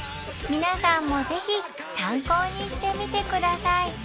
皆さんもぜひ参考にしてみてください